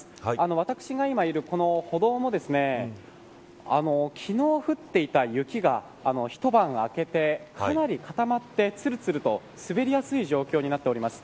私が今いる、この歩道も昨日降っていた雪が一晩明けて、かなり固まってつるつると滑りやすい状況になっています。